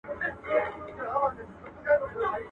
داسي زهر چي مرگى د هر حيوان دي.